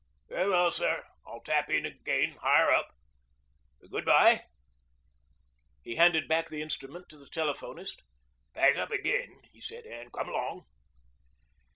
... Very well, sir, I'll tap in again higher up. ... Good bye.' He handed back the instrument to the telephonist. 'Pack up again,' he said, 'and come along.'